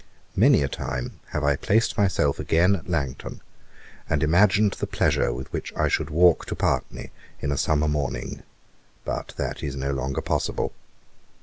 Many a time have I placed myself again at Langton, and imagined the pleasure with which I should walk to Partney in a summer morning; but this is no longer possible.